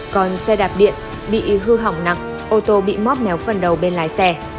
còn xe đạp điện bị hư hỏng nặng ô tô bị móc méo phần đầu bên lái xe